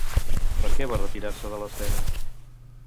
Per què va retirar-se de l'escena?